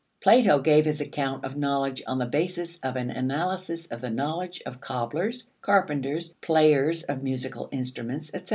Plato gave his account of knowledge on the basis of an analysis of the knowledge of cobblers, carpenters, players of musical instruments, etc.